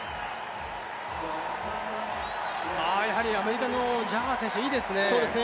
アメリカのジャガー選手いいですね。